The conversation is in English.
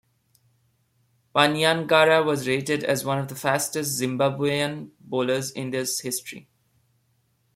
Panyangara was rated as one of the fastest Zimbabwean bowlers in their history.